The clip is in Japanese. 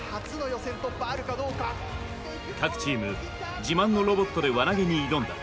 各チーム自慢のロボットで輪投げに挑んだ。